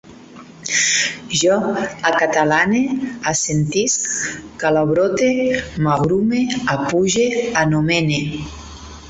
Jo acatalane, assentisc, calabrote, m'agrume, apuge, anomene